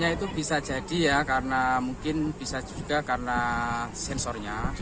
itu bisa jadi ya karena mungkin bisa juga karena sensornya